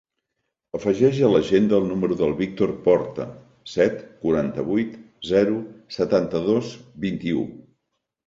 Afegeix a l'agenda el número del Víctor Porta: set, quaranta-vuit, zero, setanta-dos, vint-i-u.